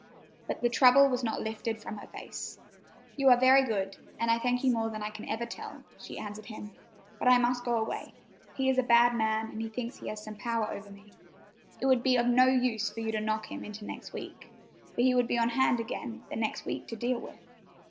But the trouble was not lifted from her face. "You are very good, and I thank you more than I can ever tell," she answered him; "but I must go away. He is a bad man, and he thinks he has some power over me. It would be of no use for you to knock him into next week, for he would be on hand again the next week to deal with.